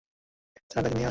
Sir, তাকে নিয়ে আসুন।